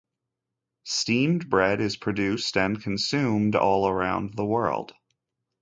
Steamed bread is produced and consumed all around the world.